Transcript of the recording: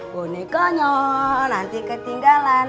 bonekanya nanti ketinggalan